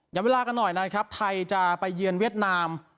เวลากันหน่อยนะครับไทยจะไปเยือนเวียดนาม